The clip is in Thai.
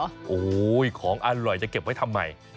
โอ้โหของอร่อยจะเก็บไว้ทำไม